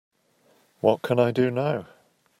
what can I do now?